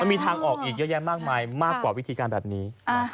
มันมีทางออกอีกเยอะแยะมากกว่าวิธีการแบบนี้